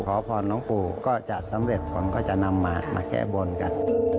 ขอพรน้องปู่ก็จะสำเร็จผมก็จะนำมาแก้บนกัน